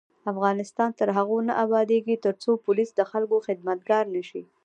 افغانستان تر هغو نه ابادیږي، ترڅو پولیس د خلکو خدمتګار نشي.